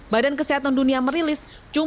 badan kesehatan dunia merilis